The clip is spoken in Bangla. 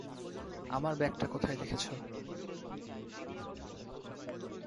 আমার ব্যাগটা কোথায় রেখেছো?